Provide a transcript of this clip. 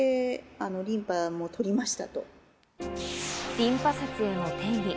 リンパ節への転移。